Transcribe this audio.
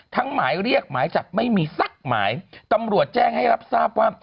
หมายเรียกหมายจับไม่มีสักหมายตำรวจแจ้งให้รับทราบว่า